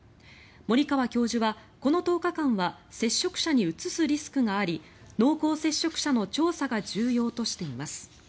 森川教授は、この１０日間は接触者にうつすリスクがあり濃厚接触者の調査が重要としています。